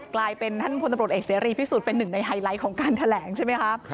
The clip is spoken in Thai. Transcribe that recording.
กลายเป็นท่านพลตบริษฐภิกษ์ศูนย์เป็นหนึ่งในไฮไลท์ของการแถลงใช่ไหมครับ